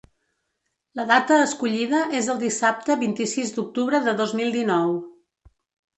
La data escollida és el dissabte vint-i-sis d’octubre de dos mil dinou.